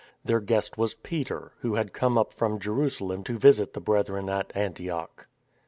Their guest was Peter, who had come up from Jerusa lem to visit the Brethren at Antioch.